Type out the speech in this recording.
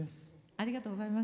ありがとうございます。